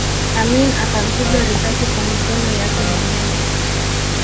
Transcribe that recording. Amin akampiga risasi kwa mikono yake mwenyewe